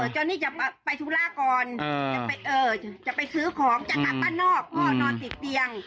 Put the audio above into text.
เจ้านี่จะไปธุระก่อนจะไปซื้อของจะกลับบ้านนอกพ่อนอนติดเตียง